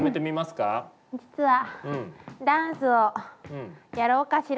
実はダンスをやろうかしら。